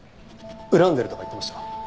恨んでるとか言ってました？